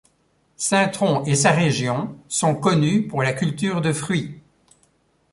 Saint-Trond et sa région sont connus pour la culture de fruits.